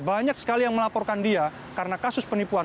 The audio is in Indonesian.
banyak sekali yang melaporkan dia karena kasus penipuan